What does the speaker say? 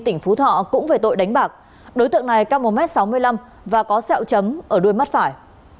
tỉnh phú thọ cũng về tội đánh bạc đối tượng này cao một m sáu mươi năm và có sẹo chấm ở đuôi mắt phải